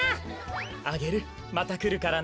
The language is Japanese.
アゲルまたくるからね。